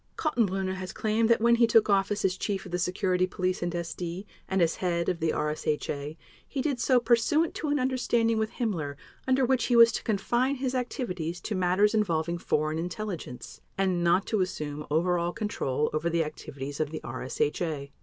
Kaltenbrunner has claimed that when he took office as Chief of the Security Police and SD and as Head of the RSHA he did so pursuant to an understanding with Himmler under which he was to confine his activities to matters involving foreign intelligence, and not to assume over all control over the activities of the RSHA.